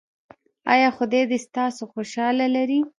ایا خدای دې تاسو خوشحاله لري؟